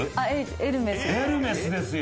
エルメスですよ。